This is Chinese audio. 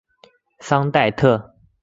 桑代特。